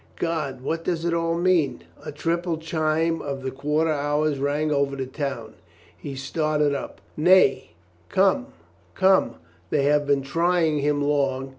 God, what does it all mean ?" A triple chime of the quarter hours rang over the town. He started up. "Nay, come, come, they have been trying him long."